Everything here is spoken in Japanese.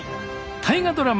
大河ドラマ